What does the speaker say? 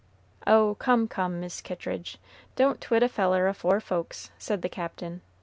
"Oh! come, come, Mis' Kittridge, don't twit a feller afore folks," said the Captain.